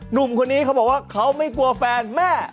หนุ่มคนนี้เขาบอกว่าเขาไม่กลัวแฟนแม่